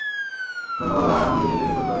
ধন্যবাদ আর যদি আমি এতে ফেল করি তবে?